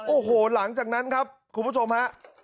โอ้โหหลังจากนั้นครับคุณผู้ชมฮะ